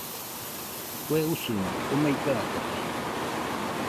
Kue usuño omai gatate